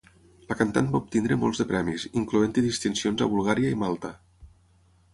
La cantant va obtenir molts de premis, incloent-hi distincions a Bulgària i Malta.